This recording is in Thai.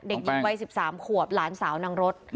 เด็กหญิงวัย๑๓ขวบหลานสาวนางรถ